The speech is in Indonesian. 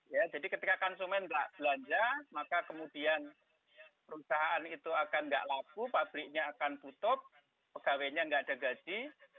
ya jadi ketika konsumen tidak belanja maka kemudian perusahaan itu akan nggak laku pabriknya akan tutup pegawainya nggak ada gaji